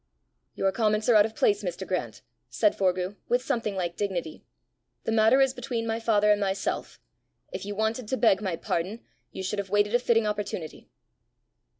"Your comments are out of place, Mr. Grant!" said Forgue, with something like dignity. "The matter is between my father and myself. If you wanted to beg my pardon, you should have waited a fitting opportunity!"